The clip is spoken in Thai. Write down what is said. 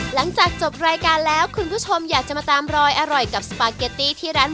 หลังจากจบรายการแล้วคุณผู้ชมอยากจะมาตามรอยอร่อยกับสปาเกตตี้ที่ร้าน